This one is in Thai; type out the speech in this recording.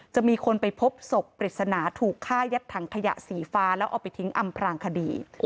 จะมีคนไปพบศพปริศนาถูกฆ่ายัดถังขยะสีฟ้าแล้วเอาไปทิ้งอำพลางคดี